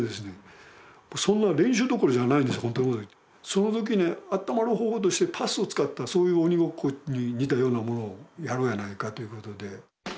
その時に温まる方法としてパスを使ったそういう鬼ごっこに似たようなものをやろうやないかということで。